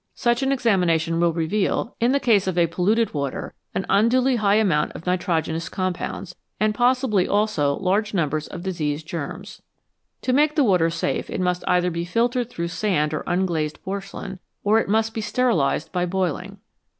Such an examination will reveal, in the case of a polluted water, an unduly high amount of nitrogenous compounds, and possibly also large numbers of disease germs. To make the water safe, it must either be filtered through sand or unglazed porcelain, or it must be sterilised by boiling.